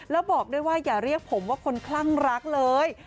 แล้วบอกด้วยว่าอย่าเรียกผมว่าคนคลั่งรักเลย